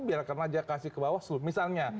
biar kan aja kasih ke bawaslu misalnya